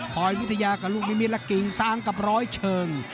วิทยากับลูกนิมิตและกิ่งสร้างกับร้อยเชิง